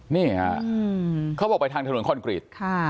นี่ฮะเขาบอกไปทางถนนคอนกรีต